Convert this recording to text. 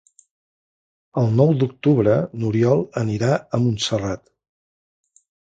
El nou d'octubre n'Oriol anirà a Montserrat.